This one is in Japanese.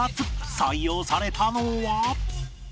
採用されたのは